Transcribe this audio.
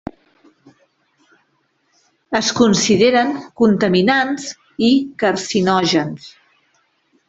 Es consideren contaminants i carcinògens.